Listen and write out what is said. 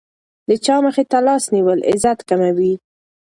د چا مخې ته لاس نیول عزت کموي.